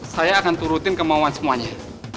saya akan turutin kemauan semuanya